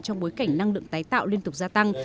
trong bối cảnh năng lượng tái tạo liên tục gia tăng